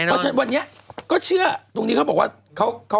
เพราะฉะนั้นวันนี้ก็เชื่อตรงนี้เขาบอกว่า